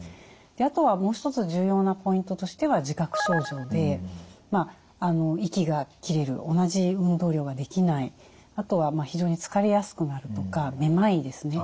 であとはもう一つ重要なポイントとしては自覚症状で息が切れる同じ運動量ができないあとは非常に疲れやすくなるとかめまいですね。